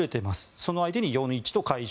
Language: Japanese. その相手に４対１と快勝。